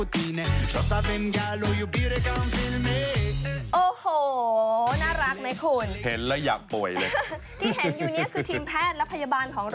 ที่เห็นอยู่นี่คือทีมแพทย์และพยาบาลของเรา